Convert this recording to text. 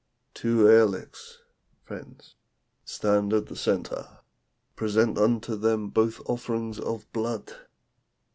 Two aerliks (fiends) stand at the entrance. Present unto them both offerings of blood.